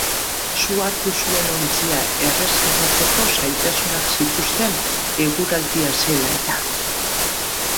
Su hartu zuen ontzia erreskatatzeko zailtasunak zituzten eguraldia zela-eta.